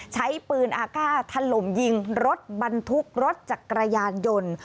ใช้ปืนอากาศถล่มยิงรถบรรทุกรถจักรยานยนต์